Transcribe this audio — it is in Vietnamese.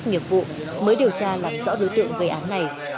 nghiệp vụ mới điều tra làm rõ đối tượng gây án này